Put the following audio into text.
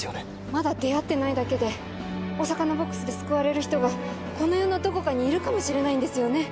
まだ出会ってないだけでお魚ボックスで救われる人がこの世のどこかにいるかもしれないんですよね。